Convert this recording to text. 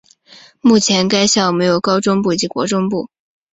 目前该校设有高中部及国中部。